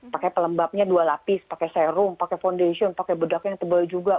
pakai pelembabnya dua lapis pakai serum pakai foundation pakai bedak yang tebal juga